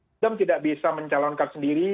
nasdem tidak bisa mencalonkan sendiri